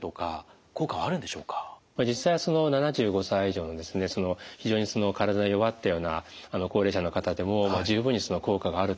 実際は７５歳以上の非常に体が弱ったような高齢者の方でも十分にその効果があるということはよく分かっています。